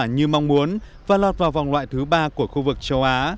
kết quả như mong muốn và lọt vào vòng loại thứ ba của khu vực châu á